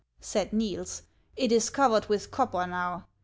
" said Niels ;" it is covered with copper now.